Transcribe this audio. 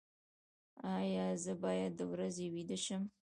ایا زه باید د ورځې ویده شم؟